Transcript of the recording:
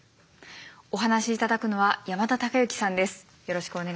お話し頂くのは山田孝之さんです。